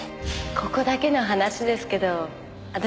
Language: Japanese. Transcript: ここだけの話ですけど私